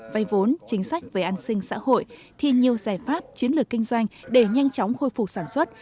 vay vốn chính sách về an sinh xã hội thì nhiều giải pháp chiến lược kinh doanh để nhanh chóng khôi phục sản xuất